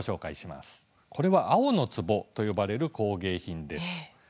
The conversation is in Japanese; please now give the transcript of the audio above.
これは「青の壺」と呼ばれる工芸品です。